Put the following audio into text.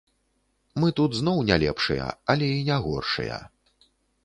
Мы тут зноў не лепшыя, але і не горшыя.